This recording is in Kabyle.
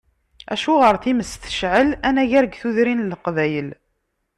Acuɣer times tecεel anagar deg tudrin n Leqbayel?